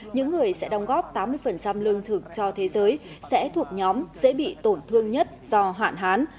những người sẽ đồng góp tám mươi lương thực cho thế giới sẽ thuộc nhóm dễ bị tổn thương nhất do hạn hán